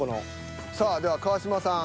さあでは川島さん。